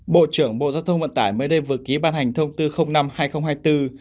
bộ trưởng bộ giao thông vận tải mới đây vừa ký ban hành thông tư năm hai nghìn hai mươi bốn